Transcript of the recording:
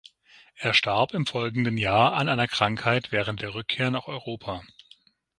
Er starb im folgenden Jahr an einer Krankheit während der Rückkehr nach Europa.